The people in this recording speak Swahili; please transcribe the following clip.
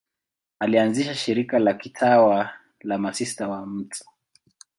Alianzisha shirika la kitawa la Masista wa Mt.